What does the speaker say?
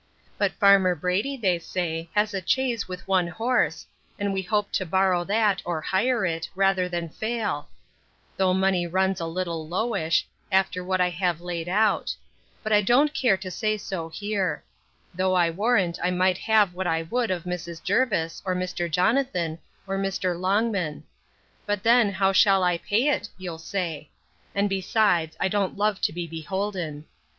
But farmer Brady, they say, has a chaise with one horse, and we hope to borrow that, or hire it, rather than fail; though money runs a little lowish, after what I have laid out; but I don't care to say so here; though I warrant I might have what I would of Mrs. Jervis, or Mr. Jonathan, or Mr. Longman; but then how shall I pay it? you'll say: And, besides, I don't love to be beholden.